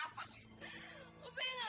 jangan pernah terbawa